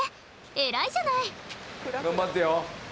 偉いじゃない！頑張ってよ。